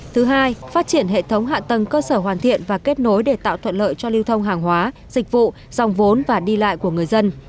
thứ hai phát triển hệ thống hạ tầng cơ sở hoàn thiện và kết nối để tạo thuận lợi cho lưu thông hàng hóa dịch vụ dòng vốn và đi lại của người dân